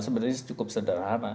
sebenarnya cukup sederhana